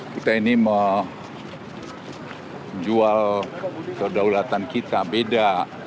kita ini menjual kedaulatan kita beda